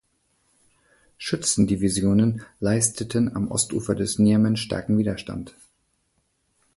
Schützendivision leisteten am Ostufer des Njemen starken Widerstand.